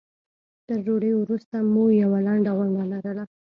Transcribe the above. تر ډوډۍ وروسته مو یوه لنډه غونډه لرله.